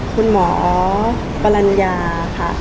คุณหมอปรัญญาค่ะ